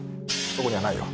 そこにはないよ。